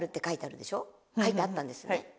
書いてあったんですね